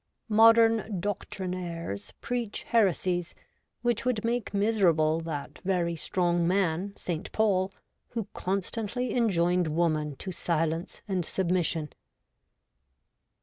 Modern doctrinaires preach heresies which would make miserable that very strong man, St. Paul, who constantly enjoined woman to silence and submission.